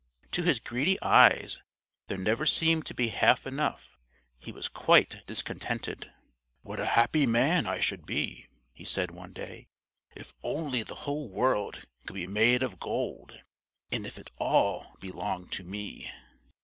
To his greedy eyes there never seemed to be half enough; he was quite discontented. "What a happy man I should be," he said one day, "if only the whole world could be made of gold, and if it all belonged to me!"